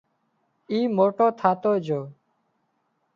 اي موٽو ٿاتو جھو